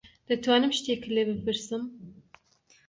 دەتوانم شتێکت لێ بپرسم؟